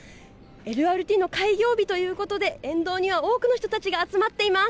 ＬＲＴの開業日ということで、沿道には多くの人たちが集まっています。